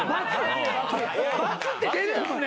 バツって出るんですね。